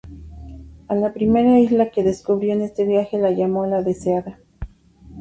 A la primera isla que descubrió en este viaje la llamó la Deseada.